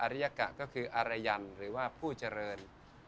ริยกะก็คืออารยันหรือว่าผู้เจริญ